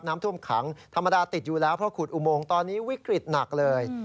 น้ำท่วมขังธรรมดาติดอยู่แล้วเพราะขุดอุโมงตอนนี้วิกฤตหนักเลย